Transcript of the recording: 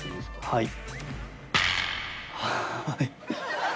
はい。